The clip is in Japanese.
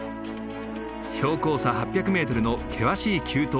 標高差８００メートルの険しい急登を登り